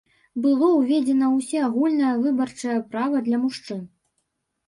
Было ўведзена ўсеагульнае выбарчае права для мужчын.